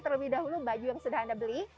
terlebih dahulu baju yang sudah anda beli